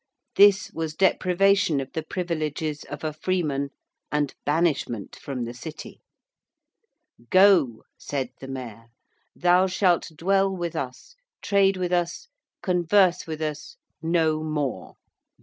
This was deprivation of the privileges of a freeman and banishment from the City. 'Go,' said the Mayor. 'Thou shalt dwell with us; trade with us; converse with us; no more.